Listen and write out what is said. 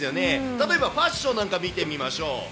例えばファッションなんか、見てみましょう。